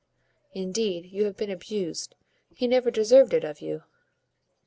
Indeed, you have been abused, he never deserved it of you."